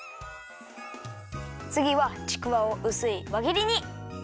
つぎはちくわをうすいわぎりに。